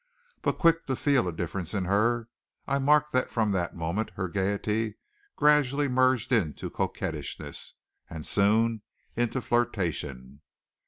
But, quick to feel a difference in her, I marked that from that moment her gaiety gradually merged into coquettishness, and soon into flirtation.